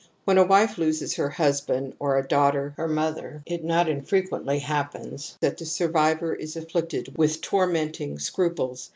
When a wife loses her husband, or a daughter her mother, it not infrequently happens that the survivor is afflicted with tormenting scruples, " Ic, p.